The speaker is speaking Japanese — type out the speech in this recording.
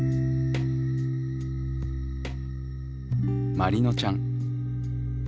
まりのちゃん。